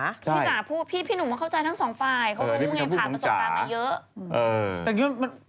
พี่หนุ่มเข้าใจทั้งสองฝ่ายเขารู้ไงผ่านประสบการณ์มาเยอะ